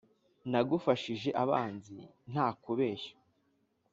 Nagufashije abanzi nta kubeshya,